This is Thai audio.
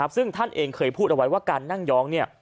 ซึ่งท่านเองเคยพูดเอาไว้ว่าการนั่งย้อง